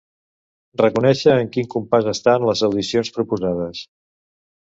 Reconèixer en quin compàs estan les audicions proposades.